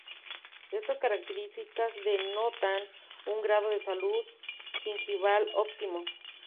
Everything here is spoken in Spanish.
Estas características denotan un grado de salud gingival óptimo.